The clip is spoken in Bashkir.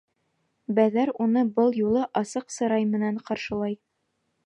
Бәҙәр уны был юлы асыҡ сырай менән ҡаршылай: